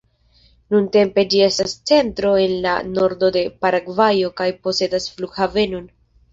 Nuntempe ĝi estas centro en la nordo de Paragvajo kaj posedas flughavenon.